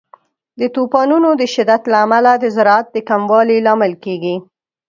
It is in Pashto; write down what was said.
د طوفانونو د شدت له امله د زراعت د کموالي لامل کیږي.